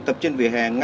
đăng ký không